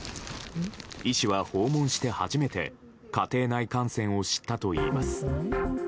医師は訪問して初めて家庭内感染を知ったといいます。